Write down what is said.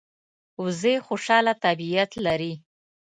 وزې خوشاله طبیعت لري